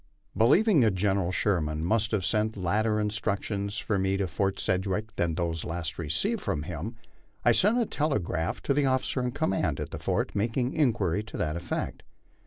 Believing that General Sherman must have sent later instructions for me to Fort Sedgwick than those last received from him, I sent a telegram to the officer in command at the fort, making inquiry to that effect.